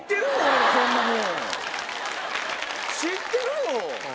知ってるよ！